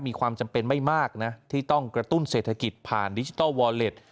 มีความจำเป็นไม่มากนะที่ต้องกระตุ้นเศรษฐกิจผ่านดิจิทัลวอลเล็ต